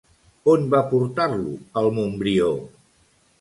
On va portar-lo el Montbrió?